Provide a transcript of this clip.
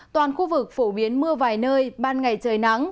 toàn khu vực phổ biến mưa vài nơi ban ngày trời nắng